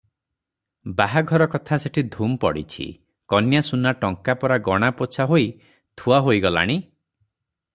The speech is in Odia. ବାହାଘର କଥା ସେଠି ଧୂମ୍ ପଡିଛି, କନ୍ୟାସୁନା ଟଙ୍କା ପରା ଗଣା ପୋଛା ହୋଇ ଥୁଆ ହୋଇଗଲାଣି ।